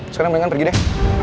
sekarang mendingan pergi deh